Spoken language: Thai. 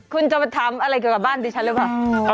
คุณจะมาทำอะไรเกี่ยวกับบ้านดิฉันหรือเปล่า